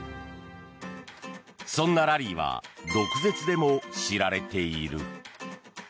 そんなラリーは毒舌でも知られている。